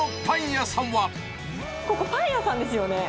ここ、パン屋さんですよね？